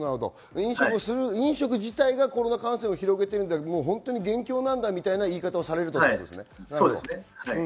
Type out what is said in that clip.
飲食自体がコロナ感染を広げているという、元凶なんだみたいな言い方をされるということですね。